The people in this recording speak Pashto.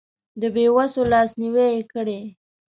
د بې وسو لاسنیوی یې کړی.